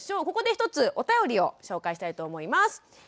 ここで一つお便りを紹介したいと思います。